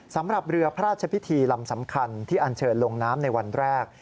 สำหรับเรือพระราชพิธีลำสำคัญที่อันเชิญลงน้ำในวันแรก